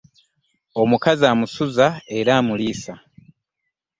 Omukazi amusuza era amuliisa.